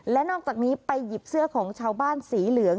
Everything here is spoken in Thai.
และนอกจากนี้ไปหยิบเสื้อของชาวบ้านสีเหลือง